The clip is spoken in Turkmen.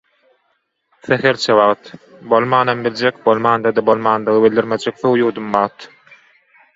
Sähelçe wagt. Bolmanam biljek, bolmanda-da bolmandygy bildirmejek suw ýuwdum wagt.